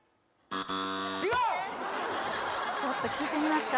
違うちょっと聴いてみますか？